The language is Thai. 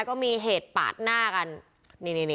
แซ็คเอ้ยเป็นยังไงไม่รอดแน่